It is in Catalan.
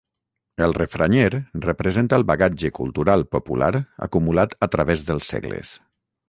El refranyer representa el bagatge cultural popular acumulat a través dels segles.